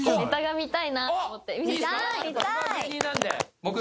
見たい。